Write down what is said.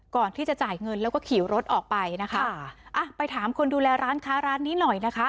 ก่อนที่จะจ่ายเงินแล้วก็ขี่รถออกไปนะคะค่ะอ่ะไปถามคนดูแลร้านค้าร้านนี้หน่อยนะคะ